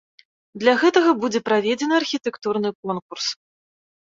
Для гэтага будзе праведзены архітэктурны конкурс.